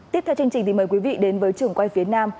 tiếp theo chương trình thì mời quý vị đến với trường quay phía nam